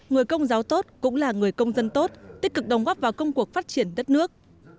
người công giáo tốt cũng là người công dân tốt tích cực đồng góp vào công cuộc phát triển đất nước